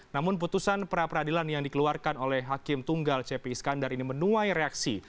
namun putusan pra peradilan yang dikeluarkan oleh hakim tunggal cepi iskandar ini menuai reaksi